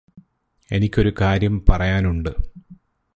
എനിക്കൊരു കാര്യം പറയാനുണ്ട്